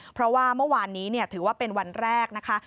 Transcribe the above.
เพราะว่าเมื่อวานนี้ถือว่าเป็นวันแรกนะคะ